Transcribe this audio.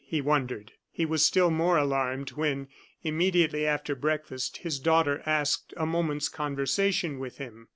he wondered. He was still more alarmed when, immediately after breakfast, his daughter asked a moment's conversation with him.